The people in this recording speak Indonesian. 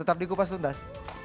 tetap di kupas tuntas